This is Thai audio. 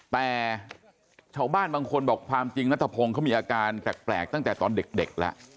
แต่ชาวบ้านบางคนบอกความจริงนัทพงศ์เขามีอาการแปลกตั้งแต่ตอนเด็กแล้ว